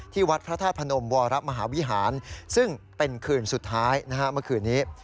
วัดพระธาตุพนมวรมหาวิหารซึ่งเป็นคืนสุดท้ายเมื่อคืนนี้